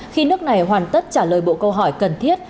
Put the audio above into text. khi nước này hoàn tất trả lời bộ câu hỏi cần thiết